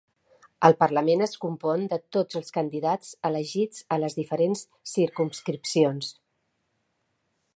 El parlament es compon de tots els candidats elegits a les diferents circumscripcions.